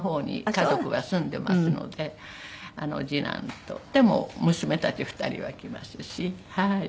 次男とでも娘たち２人は来ますしはい。